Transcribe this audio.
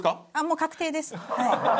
もう確定ですはい。